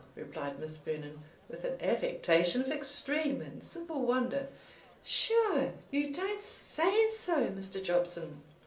replied Miss Vernon, with an affectation of extreme and simple wonder, "sure you don't say so, Mr. Jobson?"